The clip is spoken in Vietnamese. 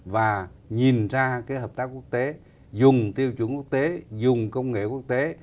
và nhìn ra hợp tác quốc tế dùng tiêu chuẩn quốc tế dùng công nghệ quốc tế